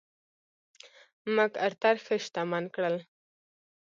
مک ارتر ښه شتمن کړل.